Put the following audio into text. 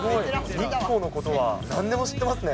日光のことはなんでも知ってますね。